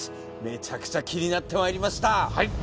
めちゃくちゃ気になってまいりました。